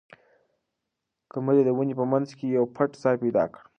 قمرۍ د ونې په منځ کې یو پټ ځای پیدا کړ.